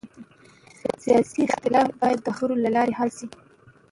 سیاسي اختلاف باید د خبرو له لارې حل شي